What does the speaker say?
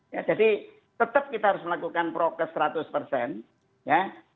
ya jadi tetap kita harus melakukan progres seratus persen ya